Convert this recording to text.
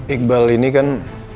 iqbal ini kan